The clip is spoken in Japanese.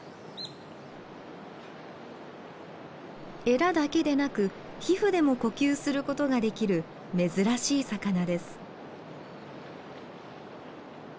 エラだけでなく皮膚でも呼吸することができる珍しい魚です。